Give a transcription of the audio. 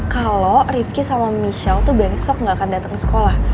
kalo ariefki sama michelle tuh besok gak akan dateng sekolah